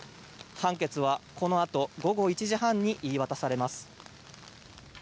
判決はこのあと午後１時半に言い渡されます。